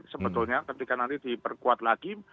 sebetulnya ketika nanti diperkuat lagi